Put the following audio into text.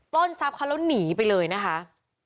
ล้นทรัพย์เขาแล้วหนีไปเลยนะคะ